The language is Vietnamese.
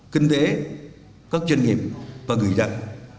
kinh tế các doanh nghiệp và người dân